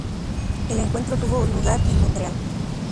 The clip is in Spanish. El encuentro tuvo lugar en Montreal.